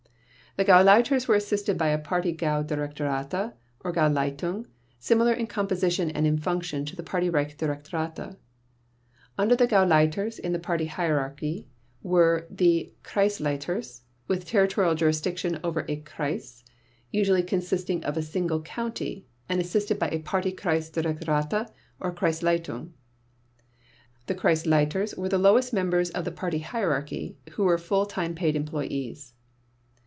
The Gauleiters were assisted by a Party Gau Directorate or Gauleitung, similar in composition and in function to the Party Reich Directorate. Under the Gauleiters in the Party hierarchy were the Kreisleiters with territorial jurisdiction over a Kreis, usually consisting of a single county, and assisted by a Party Kreis Directorate, or Kreisleitung. The Kreisleiters were the lowest members of the Party hierarchy who were full time paid employees.